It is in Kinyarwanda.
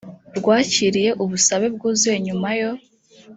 rwakiriye ubusabe bwuzuye nyuma yo